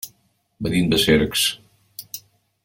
Venim de Cercs.